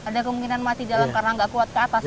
ada kemungkinan mati jalan karena nggak kuat ke atas